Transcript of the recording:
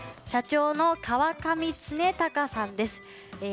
社長の河上祐隆さんです。